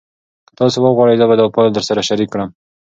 که تاسي وغواړئ زه به دا فایل درسره شریک کړم.